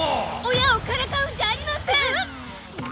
親をからかうんじゃありません！